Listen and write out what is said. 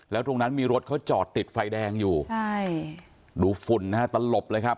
แล้วตรงนั้นมีรถเขาจอดติดไฟแดงอยู่ใช่ดูฝุ่นนะฮะตลบเลยครับ